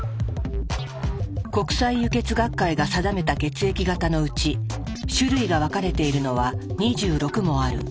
国際輸血学会が定めた血液型のうち種類が分かれているのは２６もある。